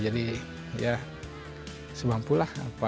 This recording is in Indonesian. jadi ya sempulah